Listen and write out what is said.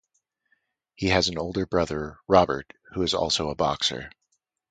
He has an older brother Robert, who is also a boxer.